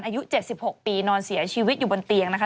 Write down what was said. อายุ๗๖ปีนอนเสียชีวิตอยู่บนเตียงนะคะ